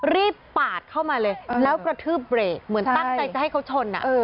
ปาดเข้ามาเลยแล้วกระทืบเบรกเหมือนตั้งใจจะให้เขาชน